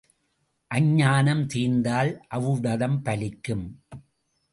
அஞ்ஞானம் தீர்ந்தால் ஒளடதம் பலிக்கும்.